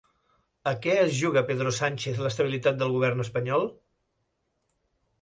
A què es juga Pedro Sánchez l'estabilitat del govern espanyol?